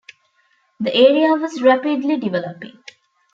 The area was rapidly developing.